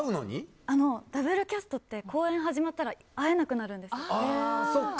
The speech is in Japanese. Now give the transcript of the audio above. ダブルキャストって公演始まったら会えなくなるんです。